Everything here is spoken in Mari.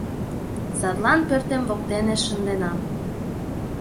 Садлан пӧртем воктене шынденам, —